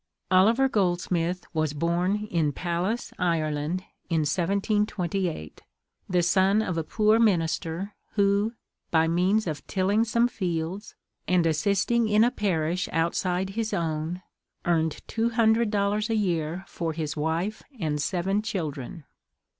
Oliver Goldsmith was born in Pallas, Ireland, in 1728, the son of a poor minister, who, by means of tilling some fields and assisting in a parish outside his own, earned two hundred dollars a year for his wife and seven children!